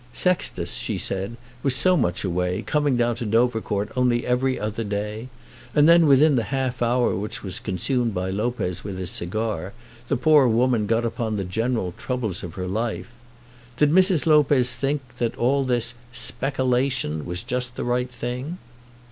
Sextus, she said, was so much away, coming down to Dovercourt only every other day! And then, within the half hour which was consumed by Lopez with his cigar, the poor woman got upon the general troubles of her life. Did Mrs. Lopez think that "all this speckelation was just the right thing?"